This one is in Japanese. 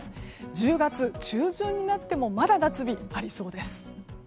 １０月中旬になってもまだ夏日がありそうです。